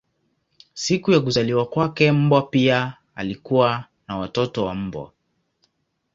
Siku ya kuzaliwa kwake mbwa pia alikuwa na watoto wa mbwa.